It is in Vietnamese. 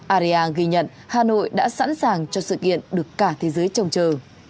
ariang ghi nhận hà nội đã sẵn sàng cho sự kiện được cả thế giới trồng trờ